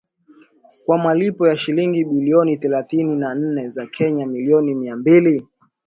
kwa malipo ya shilingi bilioni thelathini na nne za Kenya milioni mia mbili